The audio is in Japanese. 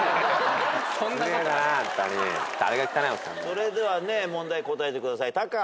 それではね問題答えてくださいタカ。